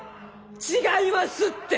違いますって！